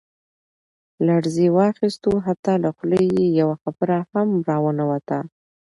لړزې واخستو حتا له خولې يې يوه خبره هم را ونوته.